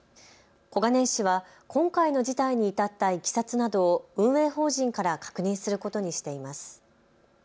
小金井市は今回の事態に至ったいきさつなどを運営法人から確認することにしています。